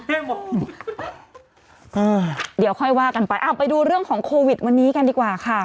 ยังบอกเออเดี๋ยวค่อยว่ากันไปอ้าวไปดูเรื่องของโควิดวันนี้กันดีกว่าค่ะ